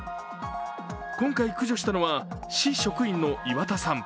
今回、駆除したのは市職員の岩田さん。